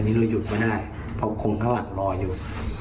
นี่เราหยุดไม่ได้เพราะคนข้างหลังรออยู่